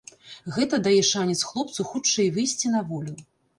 Гэта дае шанец хлопцу хутчэй выйсці на волю.